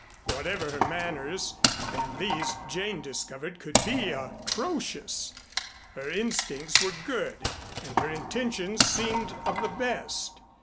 Whatever her manners, and these, Jane discovered, could be atrocious, her instincts were good, and her intentions seemed of the best.